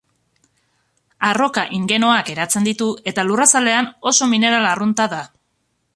Arroka igneoak eratzen ditu, eta lurrazalean oso mineral arrunta da.